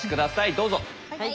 どうぞ。